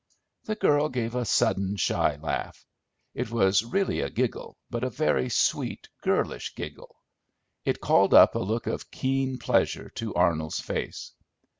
The girl gave a sudden shy laugh. It was really a giggle, but a very sweet, girlish giggle. It called up a look of keen pleasure to Arnold's face.